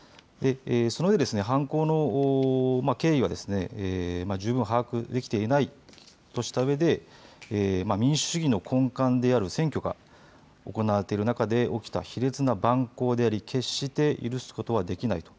そのうえで犯行の経緯は十分把握できていないとしたうえで民主主義の根幹である選挙が行われているなかで起きた卑劣な蛮行であり決して許すことはできないと。